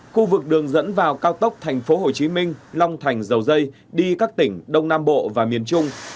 khu vực đường dẫn vào cao tốc tp hcm long thành dầu dây đi các tỉnh đông nam bộ và miền trung